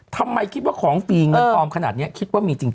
ทำไมคิดว่าของฟรีเงินปลอมขนาดนี้คิดว่ามีจริง